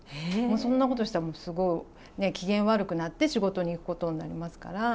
そんなことしたら、もうすごい機嫌悪くなって仕事に行くことになりますから。